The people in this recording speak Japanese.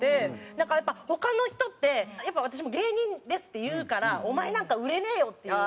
なんかやっぱ他の人ってやっぱ私も「芸人です」って言うから「お前なんか売れねえよ！」っていう。